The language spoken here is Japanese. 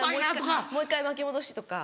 もう１回巻き戻しとか。